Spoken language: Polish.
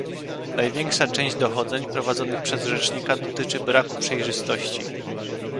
Największa część dochodzeń prowadzonych przez Rzecznika dotyczy braku przejrzystości